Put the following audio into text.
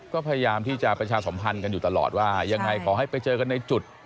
ก็พยายามที่จะประชาสมพันธ์กันอยู่ตลอดว่ายังไงขอให้ไปเจอกันในจุด